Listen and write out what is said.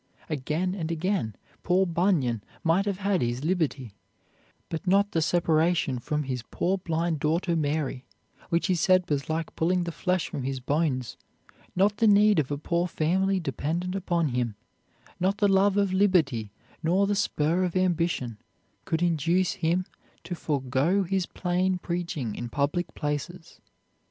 Again and again poor Bunyan might have had his liberty; but not the separation from his poor blind daughter Mary, which he said was like pulling the flesh from his bones; not the need of a poor family dependent upon him; not the love of liberty nor the spur of ambition could induce him to forego his plain preaching in public places.